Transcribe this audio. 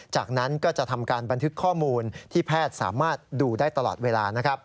จากนั้นก็จะทำการบันทึกข้อมูลที่แพทย์สามารถดูได้ตลอดเวลา